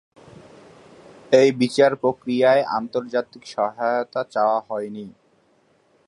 এই বিচারপ্রক্রিয়ায় আন্তর্জাতিক সহায়তা চাওয়া হয়নি।